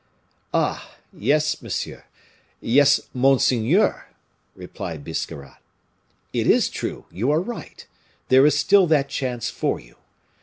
"Ah! yes, monsieur yes, monseigneur," replied Biscarrat; "it is true, you are right, there is still that chance for you.